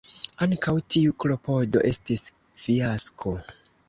Ankaŭ tiu klopodo estis fiasko.